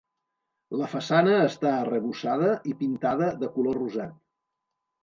La façana està arrebossada i pintada de color rosat.